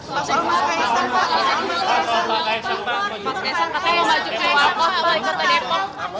mas kaesang mau ikut ke depok